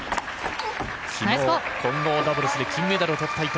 昨日混合ダブルスで金メダルを取った伊藤。